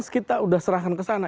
kita sudah serahkan ke sana